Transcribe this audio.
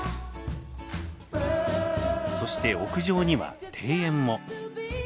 そして屋上には庭園も。